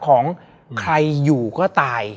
ของใครอยู่ก็ตาย